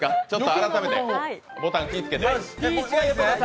改めてボタン気をつけて。